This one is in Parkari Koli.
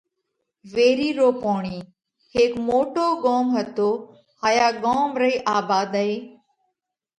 ويرِي رو پوڻِي:ھيڪ موٽو ڳوم ھتو ھايا ڳوم رئي آڀادئي